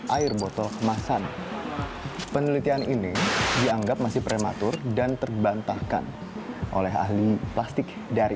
air botol kemasan penelitian ini dianggap masih prematur dan terbantahkan oleh ahli plastik dari